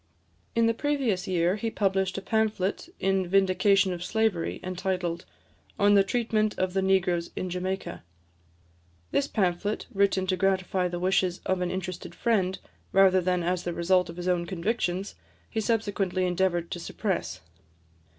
In the previous year, he published a pamphlet in vindication of slavery, entitled, "On the Treatment of the Negroes in Jamaica." This pamphlet, written to gratify the wishes of an interested friend, rather than as the result of his own convictions, he subsequently endeavoured to suppress.